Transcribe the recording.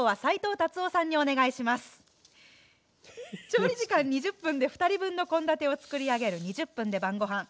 調理時間２０分で２人分の献立を作り上げる「２０分で晩ごはん」。